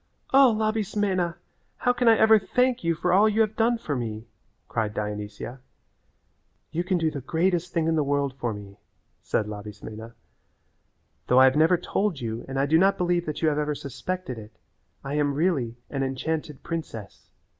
"O, Labismena! How can I ever thank you for all you have done for me?" cried Dionysia. "You can do the greatest thing in the world for me," said Labismena; "though I have never told you and I do not believe that you have ever suspected it, I am really an enchanted princess.